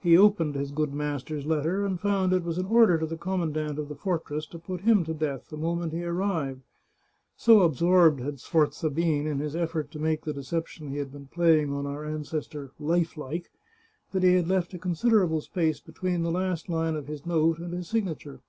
He opened his good master's letter, and found it was an order to the command ant of the fortress to put him to death the moment he ar rived. So absorbed had Sforza been in his effort to make the deception he had been playing on our ancestor life like, that he had left a considerable space between the last line of his note and his signature.